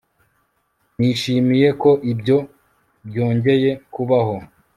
Nishimiye ko ibyo byongeye kubaho